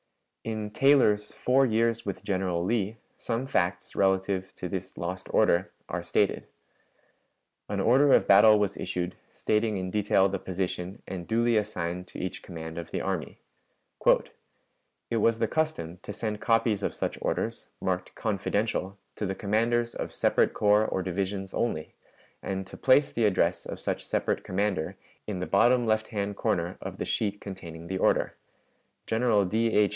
In Taylor's "Four Years with General Lee" some facts relative to this lost order are stated. An order of battle was issued, stating in detail the position and duly assigned to each command of the army: "It was the custom to send copies of such orders, marked 'confidential,' to the commanders of separate corps or divisions only, and to place the address of such separate commander in the bottom left hand comer of the sheet containing the order. General D. H.